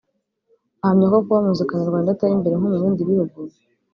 bahamya ko kuba muzika nyarwanda idatera imbere nko mu bindi bihugu